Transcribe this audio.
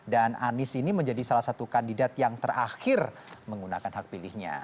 dan anies ini menjadi salah satu kandidat yang terakhir menggunakan hak pilihnya